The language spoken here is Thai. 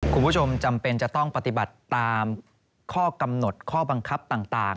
คุณผู้ชมจำเป็นจะต้องปฏิบัติตามข้อกำหนดข้อบังคับต่าง